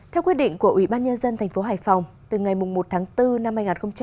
theo quyết định của ủy ban nhân dân tp hải phòng từ ngày một tháng bốn năm hai nghìn hai mươi năm